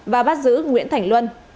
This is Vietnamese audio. và bắt giữ nguyễn thành luân